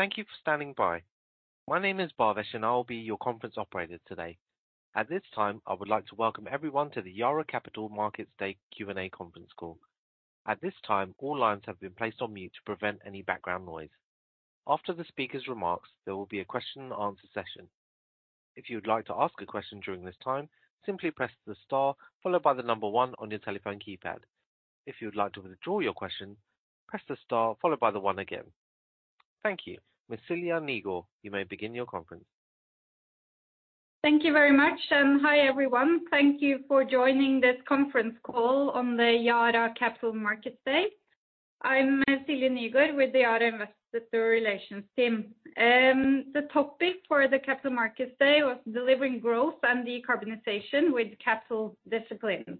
Thank you for standing by. My name is Bhavesh, and I will be your conference operator today. At this time, I would like to welcome everyone to the Yara Capital Markets Day Q&A conference call. At this time, all lines have been placed on mute to prevent any background noise. After the speaker's remarks, there will be a question and answer session. If you would like to ask a question during this time, simply press the star followed by the number one on your telephone keypad. If you would like to withdraw your question, press the star followed by the one again. Thank you. Silje Nygaard, you may begin your conference. Thank you very much. Hi, everyone. Thank you for joining this conference call on the Yara Capital Markets Day. I'm Silje Nygaard with the Yara Investor Relations Team. The topic for the Capital Markets Day was delivering growth and decarbonization with capital discipline.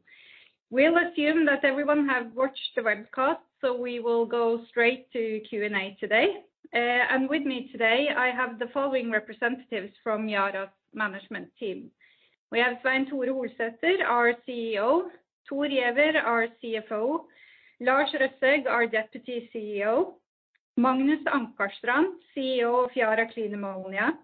We'll assume that everyone have watched the webcast. We will go straight to Q&A today. With me today, I have the following representatives from Yara's management team. We have Svein Tore Holsether, our CEO, Thor Giæver, our CFO, Lars Røsæg, our Deputy CEO, Magnus Ankarstrand, CEO of Yara Clean Ammonia.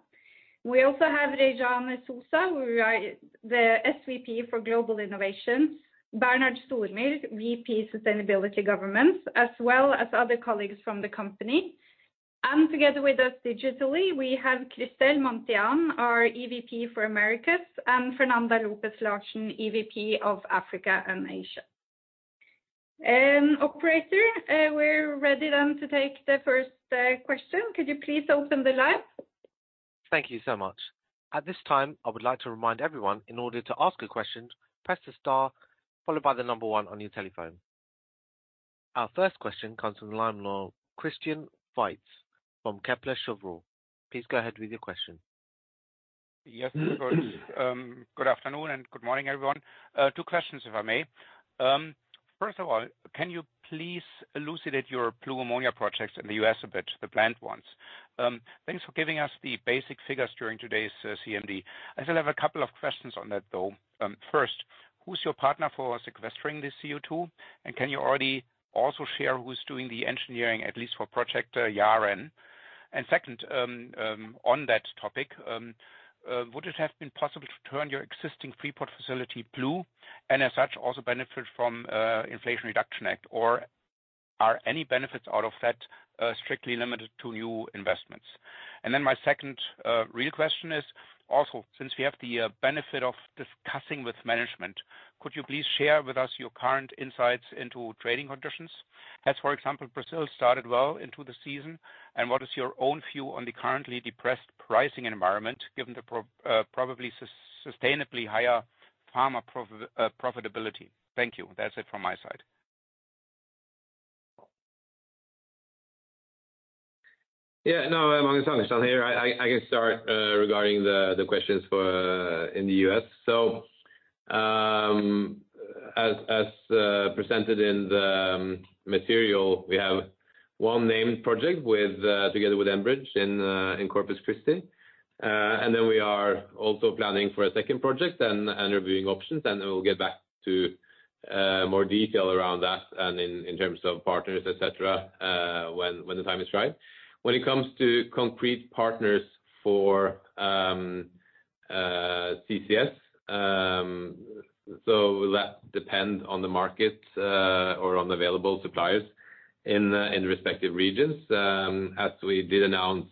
We also have Rejane Souza, who are the SVP for Global Innovation, Bernhard Stormyr, VP Sustainability Governance, as well as other colleagues from the company. Together with us digitally, we have Chrystel Monthean, our EVP for Americas, and Fernanda Lopes Larsen, EVP of Africa and Asia. operator, we're ready to take the first question. Could you please open the line? Thank you so much. At this time, I would like to remind everyone, in order to ask a question, press the star followed by 1 on your telephone. Our first question comes from the line of Christian Faitz from Kepler Cheuvreux. Please go ahead with your question. Yes. Good afternoon, and good morning, everyone. Two questions, if I may. First of all, can you please elucidate your blue ammonia projects in the U.S. a bit, the planned ones? Thanks for giving us the basic figures during today's CMD. I still have a couple of questions on that, though. First, who's your partner for sequestering the CO2, and can you already also share who's doing the engineering, at least for project YaREN? Second, on that topic, would it have been possible to turn your existing Freeport facility blue and as such, also benefit from Inflation Reduction Act, or are any benefits out of that strictly limited to new investments? My second real question is, also, since we have the benefit of discussing with management, could you please share with us your current insights into trading conditions? As for example, Brazil started well into the season, and what is your own view on the currently depressed pricing environment, given the probably sustainably higher farmer profitability? Thank you. That's it from my side. Yeah, no, Magnus Ankarstrand here. I can start regarding the questions for in the U.S. As presented in the material, we have one named project with together with Enbridge in Corpus Christi. Then we are also planning for a second project and reviewing options, and then we'll get back to more detail around that and in terms of partners, et cetera, when the time is right. When it coming to concrete partners for CCS, that depends on the market or on the available suppliers in the respective regions. As we did announce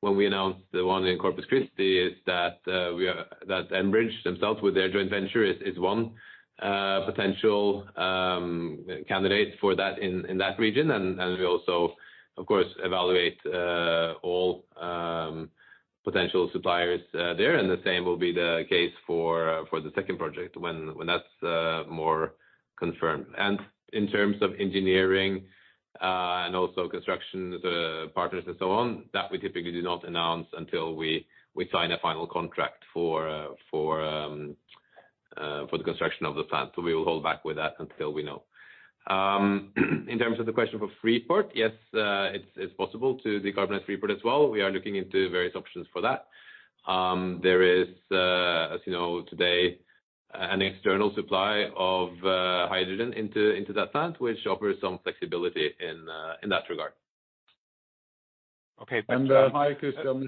when we announced the one in Corpus Christi, is that Enbridge themselves, with their joint venture, is one potential candidate for that in that region. We also, of course, evaluate all potential suppliers there, and the same will be the case for the second project when that's more confirmed. In terms of engineering and also construction partners and so on, that we typically do not announce until we sign a final contract for the construction of the plant. We will hold back with that until we know. In terms of the question for Freeport, yes, it's possible to decarbonize Freeport as well. We are looking into various options for that. There is, as you know, today, an external supply of hydrogen into that plant, which offers some flexibility in that regard. Hi, Christian.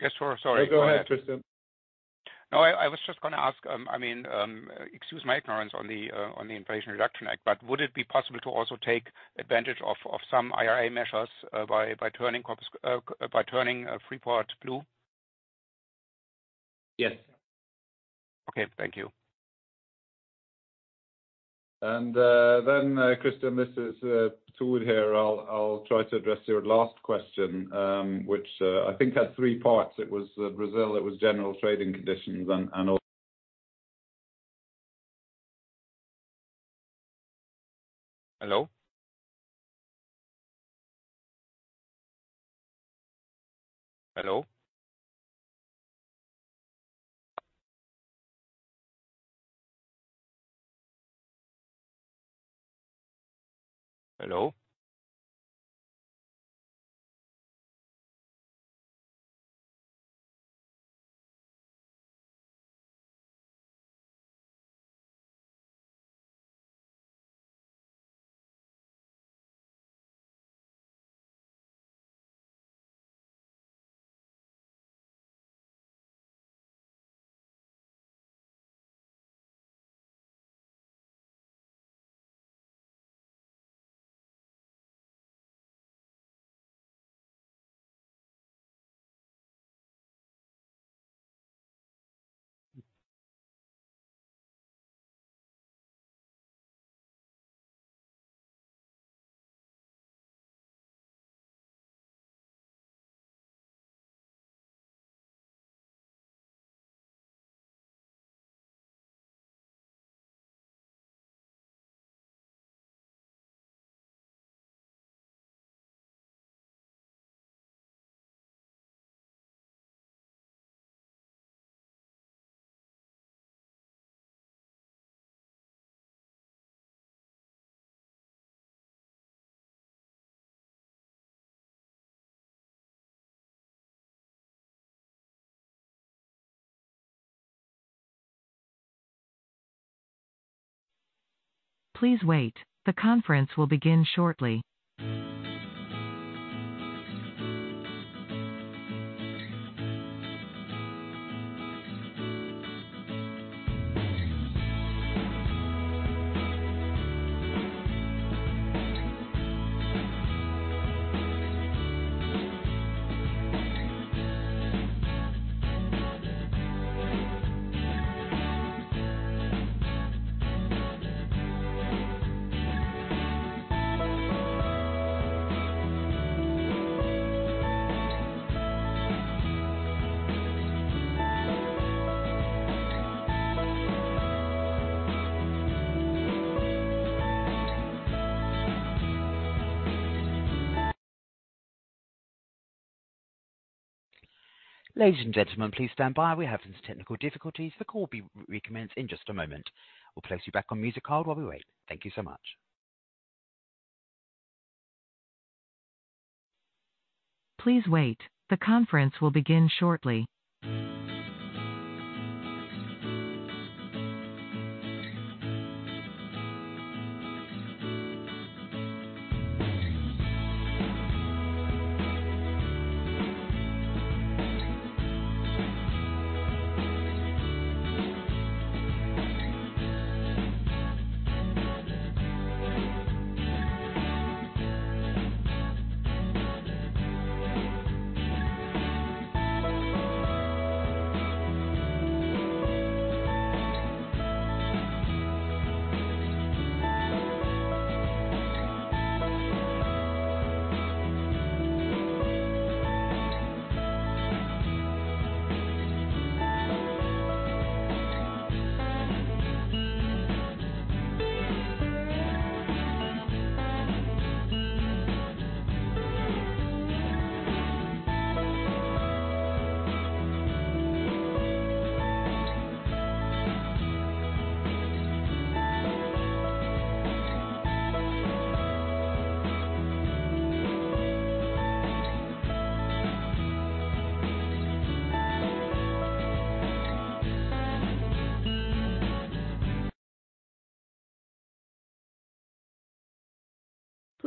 Yes, sure. Sorry, go ahead. Go ahead, Christian. I was just gonna ask, I mean, excuse my ignorance on the Inflation Reduction Act, but would it be possible to also take advantage of some IRA measures by turning Freeport blue? Yes. Okay, thank you. Christian, this is Tore here. I'll try to address your last question, which I think had three parts. It was Brazil, it was general trading conditions, and also... Hello? Hello? Hello? Please wait. The conference will begin shortly. Ladies and gentlemen, please stand by. We are having some technical difficulties. The call will be recommenced in just a moment. We'll place you back on music hold while we wait. Thank you so much. Please wait. The conference will begin shortly.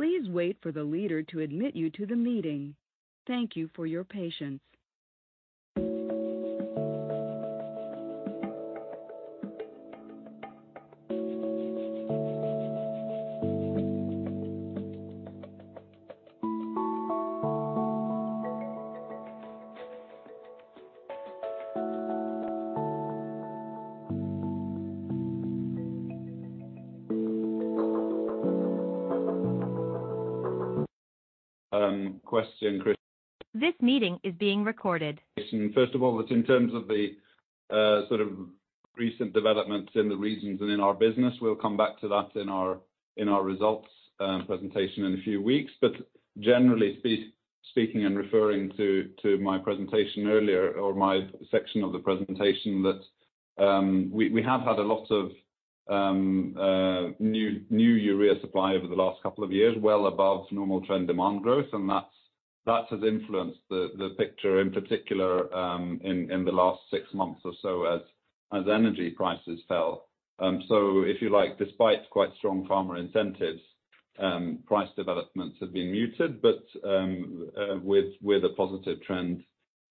Please wait for the leader to admit you to the meeting. Thank you for your patience. Question? This meeting is being recorded. First of all, it's in terms of the sort of recent developments in the regions and in our business. We'll come back to that in our, in our results presentation in a few weeks. Generally speaking and referring to my presentation earlier or my section of the presentation, that we have had a lot of new urea supply over the last couple of years, well above normal trend demand growth, and that's, that has influenced the picture, in particular, in the last six months or so as energy prices fell. If you like, despite quite strong farmer incentives, price developments have been muted, but with a positive trend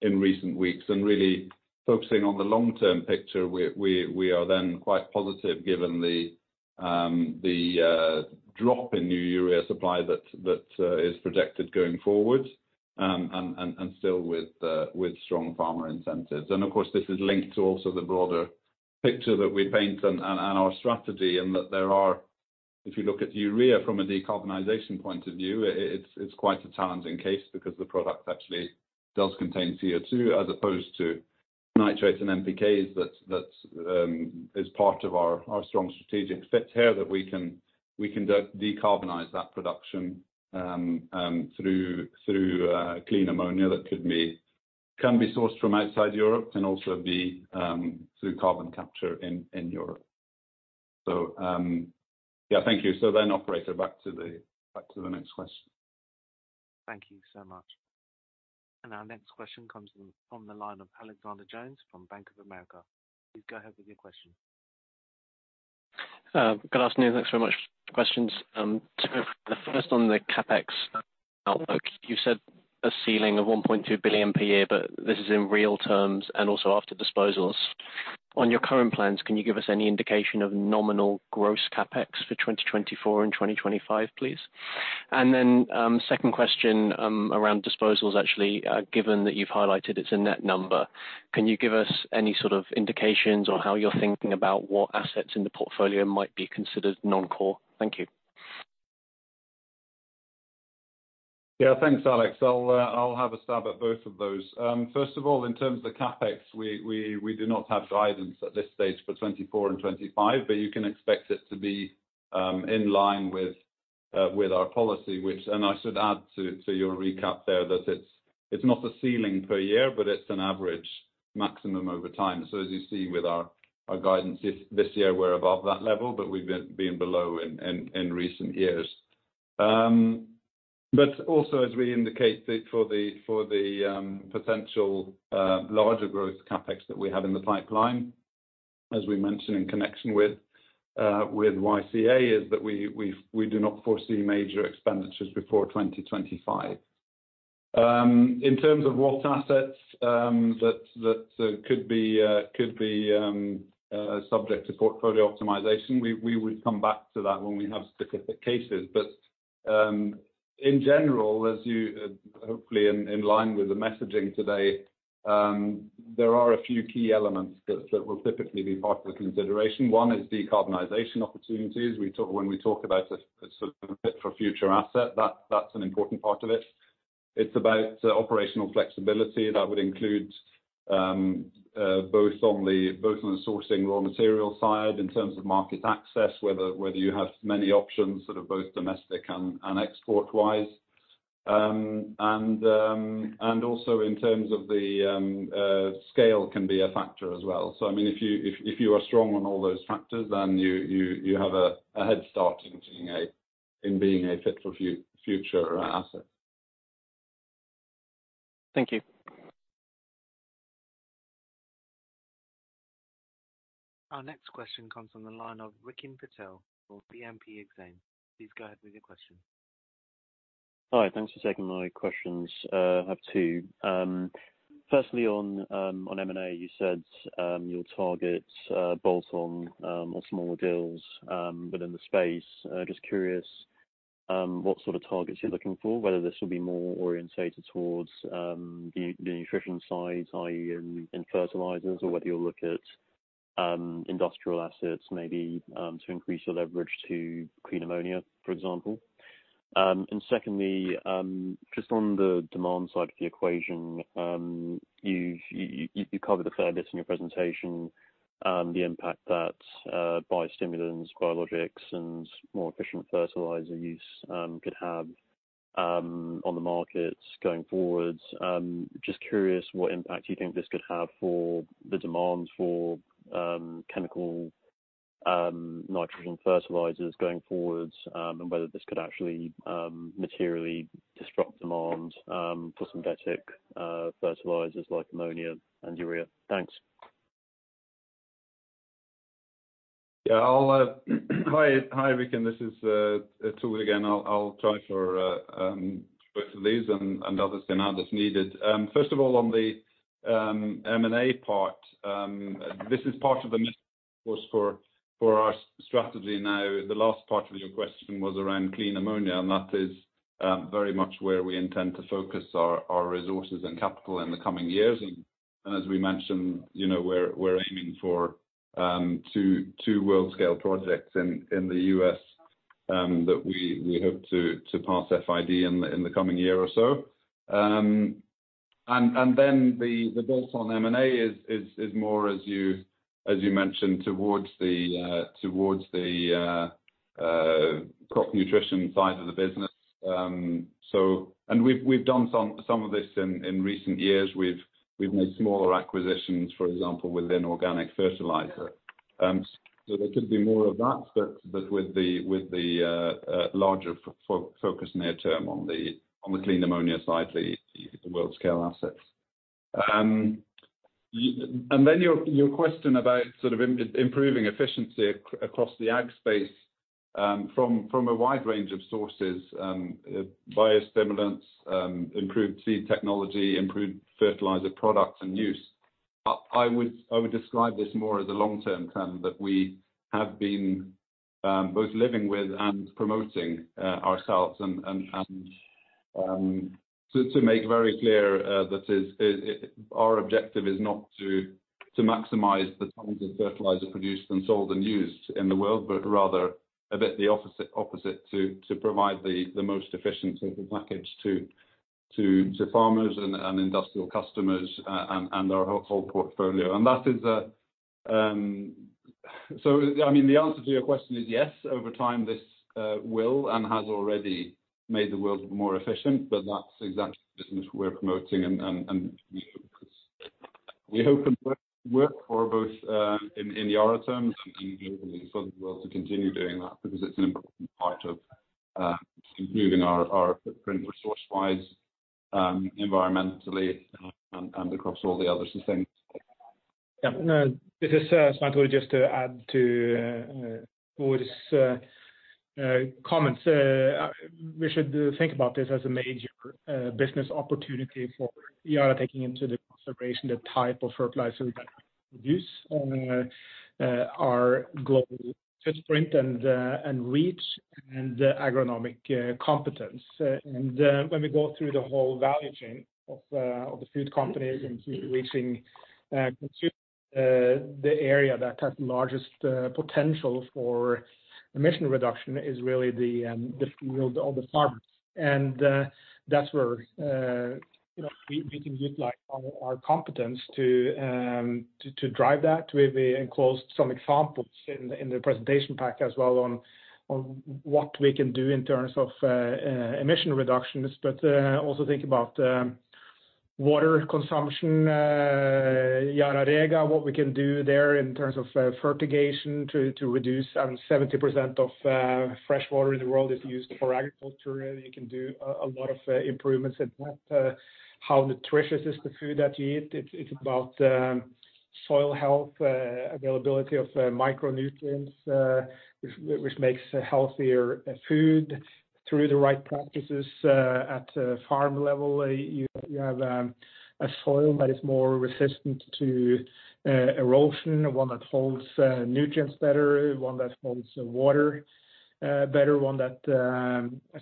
in recent weeks. Really focusing on the long-term picture, we are then quite positive given the drop in new urea supply that is projected going forward, and still with strong farmer incentives. Of course, this is linked to also the broader picture that we paint and our strategy, and that there are... If you look at urea from a decarbonization point of view, it's quite a challenging case because the product actually does contain CO2 as opposed to nitrates and NPKs that is part of our strong strategic fit here, that we can decarbonize that production through clean ammonia that can be sourced from outside Europe and also be through carbon capture in Europe. Yeah, thank you. Operator, back to the next question. Thank you so much. Our next question comes from the line of Alexander Jones from Bank of America. Please go ahead with your question. Good afternoon. Thanks very much. Questions. Two, the first on the CapEx outlook. You said a ceiling of $1.2 billion per year, but this is in real terms and also after disposals. On your current plans, can you give us any indication of nominal gross CapEx for 2024 and 2025, please? Then, second question, around disposals, actually, given that you've highlighted it's a net number, can you give us any sort of indications on how you're thinking about what assets in the portfolio might be considered non-core? Thank you. Yeah, thanks, Alex. I'll have a stab at both of those. First of all, in terms of the CapEx, we do not have guidance at this stage for 2024 and 2025, but you can expect it to be in line with our policy, which, and I should add to your recap there, that it's not a ceiling per year, but it's an average maximum over time. As you see with our guidance, this year, we're above that level, but we've been below in recent years. Also, as we indicate that for the potential larger growth CapEx that we have in the pipeline, as we mentioned in connection with YCA, is that we do not foresee major expenditures before 2025. In terms of what assets, that could be subject to portfolio optimization, we would come back to that when we have specific cases. In general, as you, hopefully in line with the messaging today, there are a few key elements that will typically be part of the consideration. One is decarbonization opportunities. When we talk about a sort of fit for future asset, that's an important part of it. It's about operational flexibility that would include, both on the sourcing raw material side, in terms of market access, whether you have many options, sort of both domestic and export-wise. Also in terms of the, scale can be a factor as well. I mean, if you are strong on all those factors, then you have a head start in being a fit for future asset. Thank you. Our next question comes from the line of Rikin Patel for BNP Exane. Please go ahead with your question. Hi, thanks for taking my questions. I have two. Firstly, on M&A, you said your targets both on smaller deals within the space. Just curious what sort of targets you're looking for, whether this will be more orientated towards the nutrition side, i.e., in fertilizers, or whether you'll look at industrial assets, maybe to increase your leverage to clean ammonia, for example. Secondly, just on the demand side of the equation, you covered a fair bit in your presentation, the impact that biostimulants, biologics, and more efficient fertilizer use could have on the markets going forward. Just curious what impact you think this could have for the demand for chemical nitrogen fertilizers going forward, and whether this could actually materially disrupt demand for synthetic fertilizers like ammonia and urea? Thanks. Yeah, I'll, hi, Rikin, this is Tore again. I'll try for both of these and others needed. First of all, on the M&A part, this is part of the mix, of course, for our strategy now. The last part of your question was around clean ammonia, that is very much where we intend to focus our resources and capital in the coming years. As we mentioned, you know, we're aiming for two world-scale projects in the U.S., that we hope to pass FID in the coming year or so. The bolt-on M&A is more as you mentioned, towards the crop nutrition side of the business. We've done some of this in recent years. We've made smaller acquisitions, for example, within organic fertilizer. There could be more of that, but with the larger focus near term on the clean ammonia side, the world scale assets. Then your question about sort of improving efficiency across the ag space from a wide range of sources, biostimulants, improved seed technology, improved fertilizer products, and use. I would describe this more as a long-term trend that we have been both living with and promoting ourselves and to make very clear, that is, our objective is not to maximize the tons of fertilizer produced and sold and used in the world, but rather a bit the opposite, to provide the most efficient sort of package to farmers and industrial customers, and our whole portfolio. That is. I mean, the answer to your question is yes, over time, this will and has already made the world more efficient, but that's exactly the business we're promoting and we. We hope and work for both, in the other terms and globally for the world to continue doing that, because it's an important part of improving our footprint resource-wise, environmentally, and across all the other systems. Yeah. No, this is Svein Tore, just to add to board's comments. We should think about this as a major business opportunity for Yara, taking into the consideration the type of fertilizer that we produce, and our global footprint and reach, and the agronomic competence. When we go through the whole value chain of the food companies and reaching consumer, the area that has the largest potential for emission reduction is really the field of the farmers. That's where, you know, we can utilize our competence to drive that. We've enclosed some examples in the presentation pack as well on what we can do in terms of emission reductions, also think about water consumption, YaraRegen, what we can do there in terms of fertigation to reduce. 70% of fresh water in the world is used for agriculture. You can do a lot of improvements in that. How nutritious is the food that you eat? It's about soil health, availability of micronutrients, which makes a healthier food through the right practices. At a farm level, you have a soil that is more resistant to erosion, one that holds nutrients better, one that holds water better, one that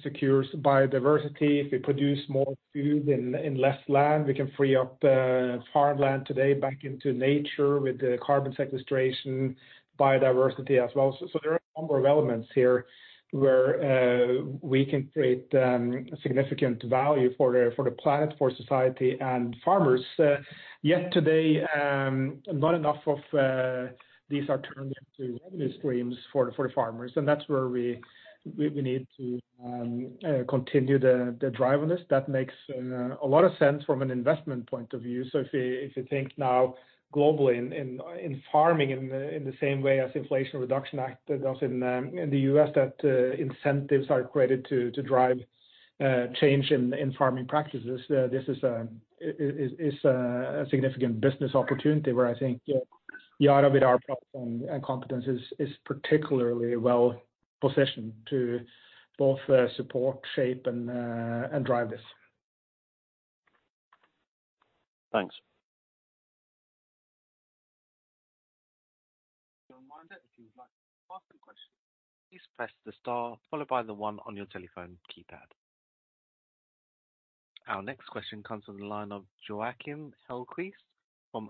secures biodiversity. If we produce more food in less land, we can free up farmland today back into nature with the carbon sequestration, biodiversity as well. There are a number of elements here where we can create significant value for the planet, for society and farmers. Yet today, not enough of these are turned into revenue streams for the farmers, and that's where we need to continue the drive on this. That makes a lot of sense from an investment point of view. If you, if you think now globally in farming, in the same way as Inflation Reduction Act does in the U.S., that incentives are created to drive change in farming practices, this is a significant business opportunity where I think Yara, with our platform and competence, is particularly well positioned to both support, shape, and drive this. Thanks. Reminder, if you would like to ask a question, please press the star followed by the one on your telephone keypad. Our next question comes from the line of Joakim Hellquist from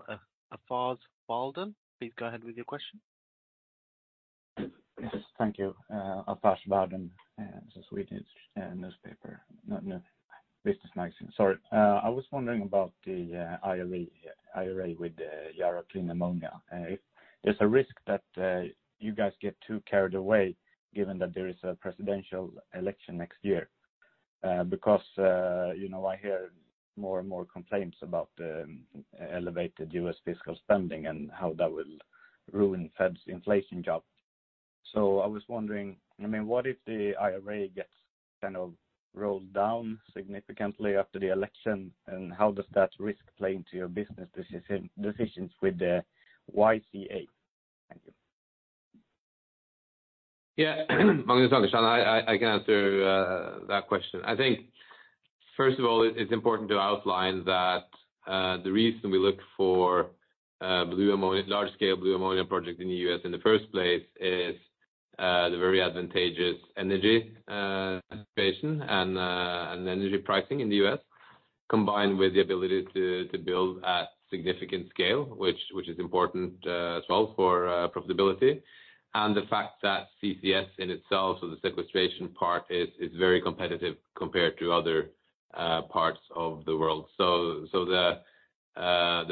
Affärsvärlden. Please go ahead with your question. Yes, thank you. Affärsvärlden, the Swedish newspaper, no, business magazine. Sorry. I was wondering about the IRA with the Yara Clean Ammonia. If there's a risk that you guys get too carried away, given that there is a presidential election next year. Because, you know, I hear more and more complaints about the elevated U.S. fiscal spending and how that will ruin Fed's inflation job. I was wondering, I mean, what if the IRA gets kind of rolled down significantly after the election, and how does that risk play into your business decisions with the YCA? Thank you. Yeah, Magnus Ankarstrand, I can answer that question. I think, first of all, it's important to outline that the reason we look for blue ammonia, large scale blue ammonia project in the U.S. in the first place is the very advantageous energy innovation and energy pricing in the U.S., combined with the ability to build at significant scale, which is important as well for profitability. The fact that CCS in itself, so the sequestration part, is very competitive compared to other parts of the world. The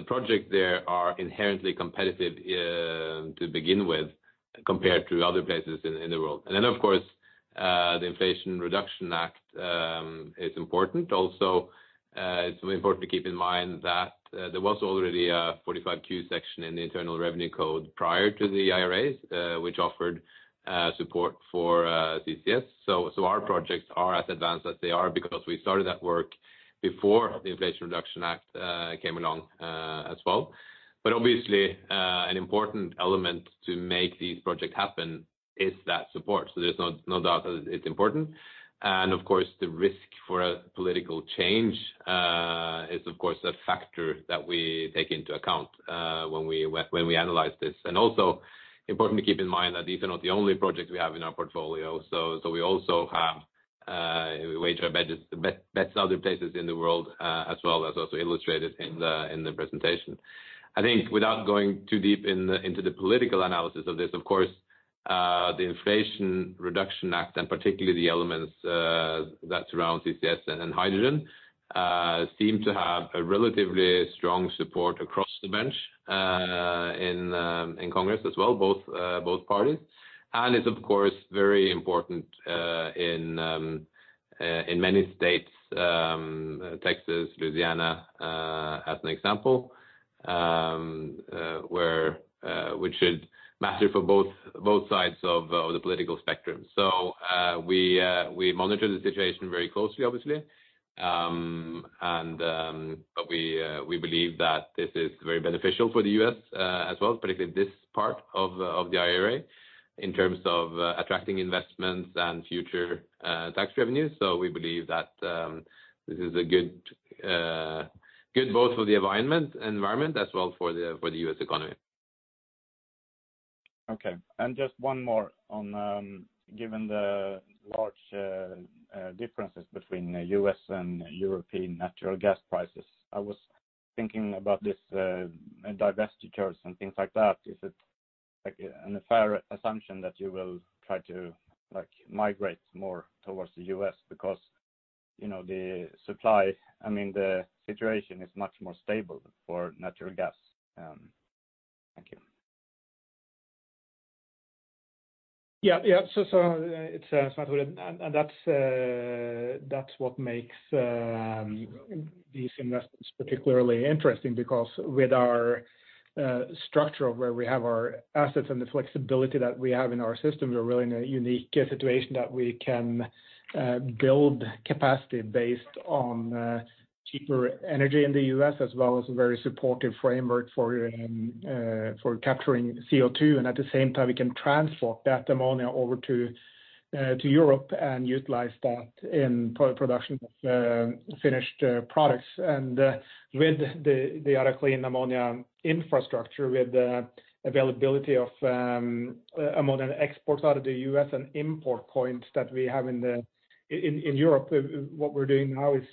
project there are inherently competitive to begin with, compared to other places in the world. Of course, the Inflation Reduction Act is important. It's important to keep in mind that there was already a Section 45Q section in the Internal Revenue Code prior to the IRAs, which offered support for CCS. Our projects are as advanced as they are because we started that work before the Inflation Reduction Act came along as well. Obviously, an important element to make these projects happen is that support. There's no doubt that it's important. Of course, the risk for a political change is of course a factor that we take into account when we analyze this. Also important to keep in mind that these are not the only projects we have in our portfolio. We also have, we wage our bets other places in the world, as well, as also illustrated in the presentation. I think without going too deep into the political analysis of this, of course, the Inflation Reduction Act, and particularly the elements that surround CCS and hydrogen, seem to have a relatively strong support across the bench, in Congress as well, both parties. It's, of course, very important in many states, Texas, Louisiana, as an example. Which should matter for both sides of the political spectrum. We monitor the situation very closely, obviously. We believe that this is very beneficial for the U.S., as well, particularly this part of the IRA, in terms of attracting investments and future tax revenues. We believe that this is good both for the environment, as well, for the U.S. economy. Okay. Just one more on, given the large differences between the U.S. and European natural gas prices, I was thinking about this, divestitures and things like that. Is it, like, a fair assumption that you will try to, like, migrate more towards the U.S. because, you know, the supply, I mean, the situation is much more stable for natural gas? Thank you. Yeah, yeah. it's, that's what makes these investments particularly interesting, because with our structure of where we have our assets and the flexibility that we have in our system, we're really in a unique situation that we can build capacity based on cheaper energy in the U.S., as well as a very supportive framework for capturing CO2. At the same time, we can transport that ammonia over to Europe and utilize that in production of finished products. With the Yara Clean Ammonia infrastructure, with the availability of ammonia exports out of the U.S. and import points that we have in Europe, what we're doing now is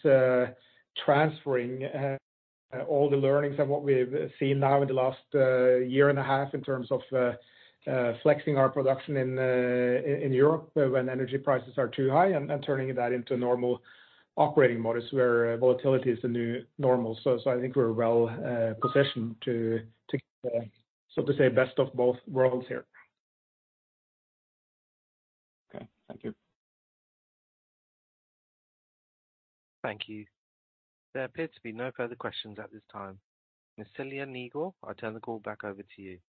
transferring all the learnings and what we've seen now in the last year and a half in terms of flexing our production in Europe, when energy prices are too high, and turning that into a normal operating modus where volatility is the new normal. I think we're well positioned to, so to say, best of both worlds here. Okay, thank you. Thank you. There appear to be no further questions at this time. Silje Nygaard, I turn the call back over to you.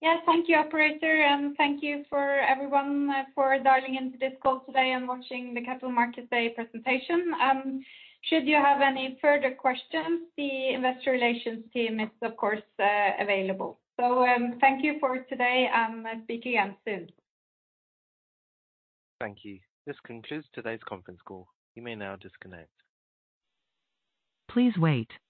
Yes, thank you, operator, and thank you for everyone for dialing into this call today and watching the Capital Markets Day presentation. Should you have any further questions, the investor relations team is, of course, available. Thank you for today, and speak again soon. Thank you. This concludes today's conference call. You may now disconnect. Please wait.